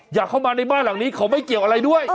อยากเข้ามาในบ้านหลังนี้เขาไม่เกี่ยวอะไรด้วย